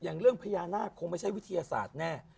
อย่างเรื่องพญานาคคงไม่ใช่วิทยาศาสตร์แน่